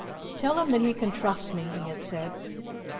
"Tell him that he can trust me," he had said.